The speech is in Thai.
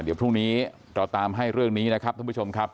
เดี๋ยวพรุ่งนี้เราตามให้เรื่องนี้นะครับท่านผู้ชมครับ